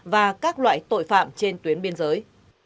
và các loại tội phạm trên tuyến biên giới